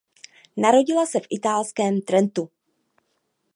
Narodila se v italském Trentu.